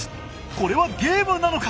これはゲームなのか？